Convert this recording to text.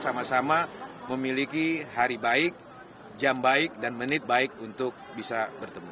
sama sama memiliki hari baik jam baik dan menit baik untuk bisa bertemu